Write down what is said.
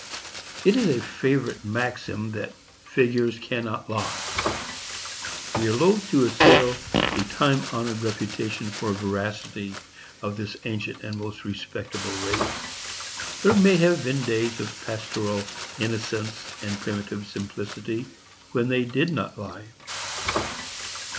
It is a favorite maxim that "figures cannot lie." We are loth to assail the time honored reputation for veracity of this ancient and most respectable race. There may have been days of pastoral innocence and primitive simplicity, when they did not lie.